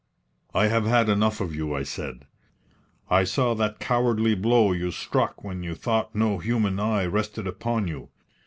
"I have had enough of you," I said. "I saw that cowardly blow you struck when you thought no human eye rested upon you.